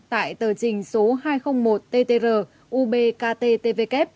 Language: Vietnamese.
tại tờ trình số hai trăm linh một ttr ubkt tvk